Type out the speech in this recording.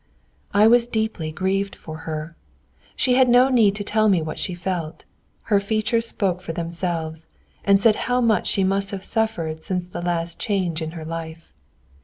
I was deeply grieved for her. She had no need to tell me what she felt; her features spoke for themselves, and said how much she must have suffered since the last change in her life.